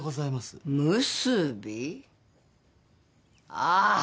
ああ！